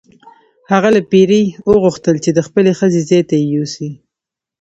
هغه له پیري وغوښتل چې د خپلې ښځې ځای ته یې یوسي.